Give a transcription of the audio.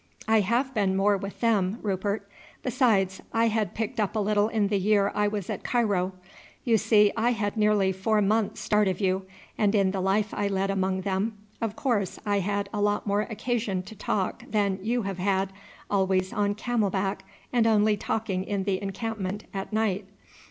"I have been more with them, Rupert; besides, I had picked up a little in the year I was at Cairo. You see I had nearly four months start of you, and in the life I led among them of course I had a lot more occasion to talk than you have had, always on camel back and only talking in the encampment at night.